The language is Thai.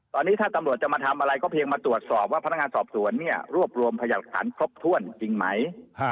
ตอนนี้ถ้าท่านตำรวจมาทำอะไรก็เพียงมาตรวจสอบว่าภาษณาการสอบส่วนนี้รวบรวมพยัตรฐานครบถ้วนจริงไหม